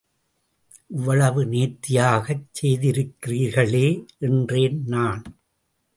இவ்வளவு நேர்த்தியாகச் செய்திருக்கிறீர்களே! என்றேன் நான்.